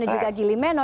dan juga gili meno